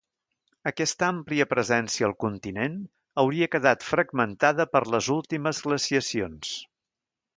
Aquesta àmplia presència al continent hauria quedat fragmentada per les últimes glaciacions.